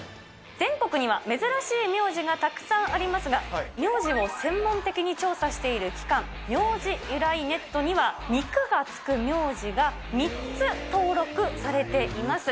全国には珍しい名字がたくさんありますが、名字を専門的に調査している機関、名字由来ｎｅｔには、肉がつく苗字が３つ登録されています。